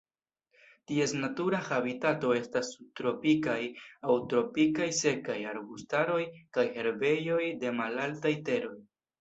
Ties natura habitato estas subtropikaj aŭ tropikaj sekaj arbustaroj kaj herbejoj de malaltaj teroj.